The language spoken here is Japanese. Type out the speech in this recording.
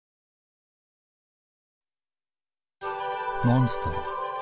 モンストロ。